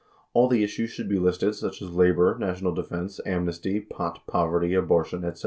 '' All the issues should be listed such as labor, national defense, am nesty, pot, poverty, abortion, etc.